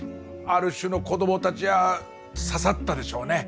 ある種の子どもたちは刺さったでしょうね。